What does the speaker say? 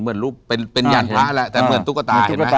เหมือนรูปเป็นเป็นยันฮะละแต่เหมือนตุ๊กตาเห็นไหมตุ๊กตา